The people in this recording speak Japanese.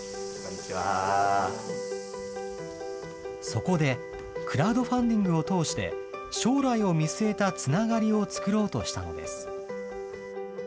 そこでクラウドファンディングを通して、将来を見据えたつながりを作ろうとしたのです。